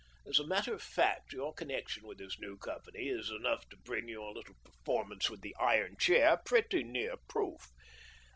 As a matter of fact your con nection with this new company is enough to bring your little performance with the iron chair pretty near proof.